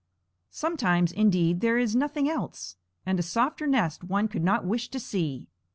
Sometimes, indeed, there is nothing else, and a softer nest one could not wish to see.